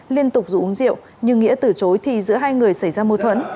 liên tục dù uống rượu nhưng nghĩa từ chối thì giữa hai người xảy ra mâu thuẫn